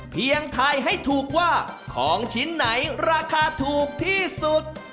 ถ่ายให้ถูกว่าของชิ้นไหนราคาถูกที่สุด